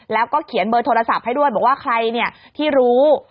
แล้วก็เขียนเบอร์โทรศัพท์ให้ด้วยบอกว่าใครที่รู้